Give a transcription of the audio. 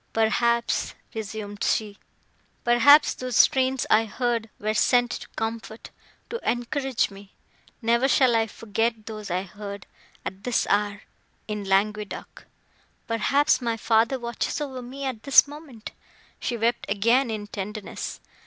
"Perhaps," resumed she, "perhaps, those strains I heard were sent to comfort,—to encourage me! Never shall I forget those I heard, at this hour, in Languedoc! Perhaps, my father watches over me, at this moment!" She wept again in tenderness.